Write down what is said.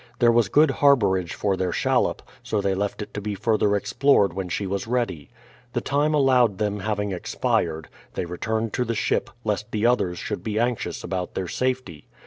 There was good harbourage for their shallop, so they left it to be further explored when she was ready. The time allowed them having expired, they returned to the ship, lest the others should be anxious about their safety.